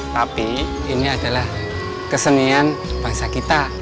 tapi ini adalah kesenian bangsa kita